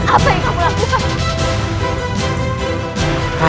apa yang kamu lakukan